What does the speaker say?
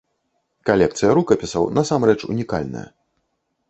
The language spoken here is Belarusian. Калекцыя рукапісаў насамрэч унікальная.